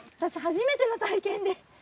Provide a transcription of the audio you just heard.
私初めての体験で。